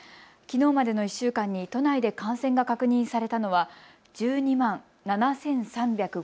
きのうまでの１週間に都内で感染が確認されたのは１２万７３５７人。